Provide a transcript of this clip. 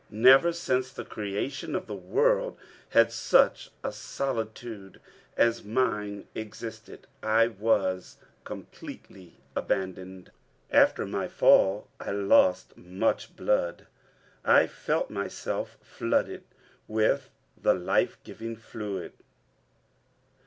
Never since the creation of the world had such a solitude as mine existed. I was completely abandoned. After my fall I lost much blood. I felt myself flooded with the life giving liquid.